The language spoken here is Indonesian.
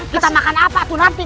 kita makan apa tuh nanti